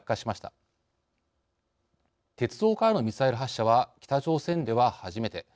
鉄道からのミサイル発射は北朝鮮では初めて。